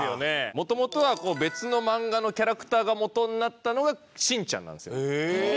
元々は別の漫画のキャラクターがもとになったのがしんちゃんなんですよ。へえ！